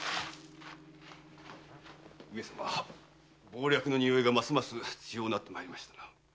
上様謀略の匂いがますます強うなってまいりましたな。